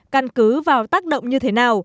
căn cứ vào tác động như thế nào sai phạm thế nào